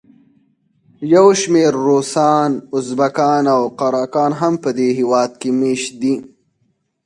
یو شمېر روسان، ازبکان او قراقان هم په دې هېواد کې مېشت دي.